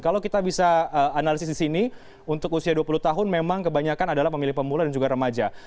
kalau kita bisa analisis di sini untuk usia dua puluh tahun memang kebanyakan adalah pemilih pemula dan juga remaja